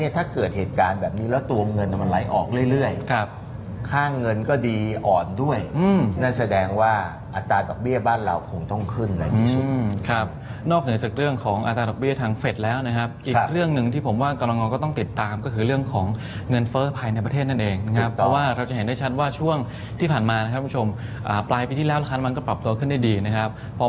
ถ้าเกิดเหตุการณ์แบบนี้แล้วตรวมเงินน้ำมันไหลออกเรื่อยค่าเงินก็ดีอ่อนด้วยนั่นแสดงว่าอัตราดอกเบี้ยบ้านเราคงต้องขึ้นเลยที่สุดครับนอกเหนือจากเรื่องของอัตราดอกเบี้ยทางเฟ็ดแล้วนะครับอีกเรื่องหนึ่งที่ผมว่ากำลังงออกก็ต้องติดตามก็คือเรื่องของเงินเฟ้อภายในประเทศนั่นเองเพราะว่าเราจะ